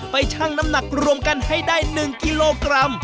ชั่งน้ำหนักรวมกันให้ได้๑กิโลกรัม